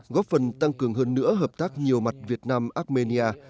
góp phần tăng cường hơn nữa hợp tác nhiều mặt việt nam armenia